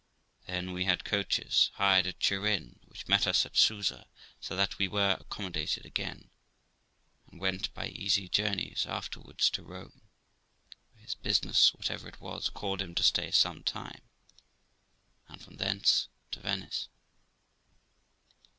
Then we had coaches, hired at Turin, which met us at Suza ; so that we were accommodated again, and went by easy journeys after THE LIFE OF ROXANA 253 wards to Rome, where his business, whatever it was, called him to stay some time, and from thence to Venice.